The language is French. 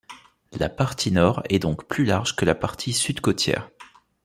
La partie nord est donc plus large que la partie sud côtière.